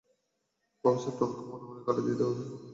Professor টমকে মনে মনে গালি দিতে দিতে কোনো রকমে পার করলাম দিনটা।